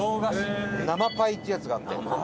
生パイっていうやつがあって。